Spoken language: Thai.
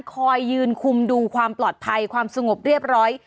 คอยยืนคุมดูความปลอดภัยความสงบเรียบร้อย